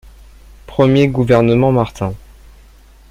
Premier gouvernement Martin.